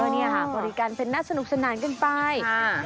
อ๋อเนี่ยค่ะบริการเพ้นหน้าสนุกสนานเกินไปค่ะ